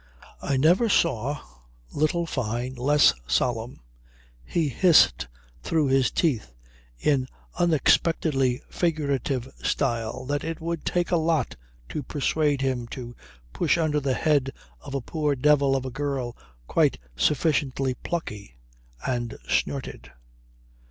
I never saw little Fyne less solemn. He hissed through his teeth in unexpectedly figurative style that it would take a lot to persuade him to "push under the head of a poor devil of a girl quite sufficiently plucky" and snorted.